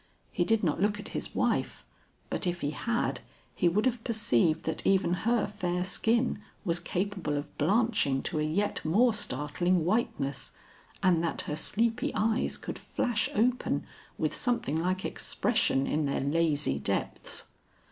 He did not look at his wife, but if he had, he would have perceived that even her fair skin was capable of blanching to a yet more startling whiteness, and that her sleepy eyes could flash open with something like expression in their lazy depths.